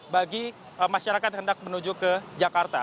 bagi masyarakat yang hendak menuju ke jakarta